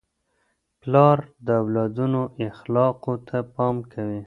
پلار د اولادونو اخلاقو ته پام کوي.